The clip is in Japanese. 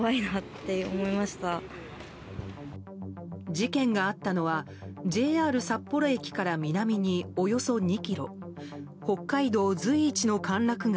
事件があったのはＪＲ札幌駅から南におよそ２ｋｍ北海道随一の歓楽街